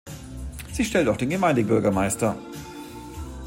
Sie stellt auch den Gemeindebürgermeister.